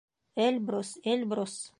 — Эльбрус, Эльбрус!